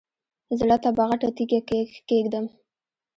زړه ته به غټه تیګه کېږدم.